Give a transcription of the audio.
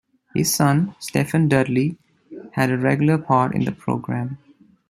His son, Stephen Dudley, had a regular part in the program.